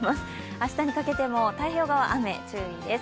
明日にかけても太平洋側は雨、注意です。